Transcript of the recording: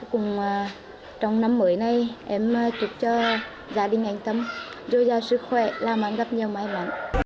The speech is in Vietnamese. cuối cùng trong năm mới này em chúc cho gia đình anh tâm vui vẻ sức khỏe làm ơn gặp nhiều may mắn